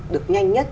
được nhanh nhất